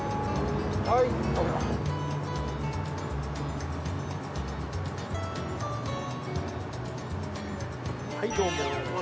はいどうも。